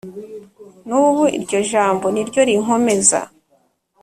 nubu iryo jambo niryo rinkomeza